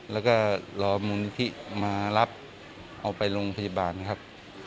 แล้วก็รอมูลนิธิมารับเอาไปโรงพยาบาลนะครับ